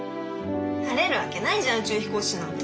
なれるわけないじゃん宇宙飛行士なんて。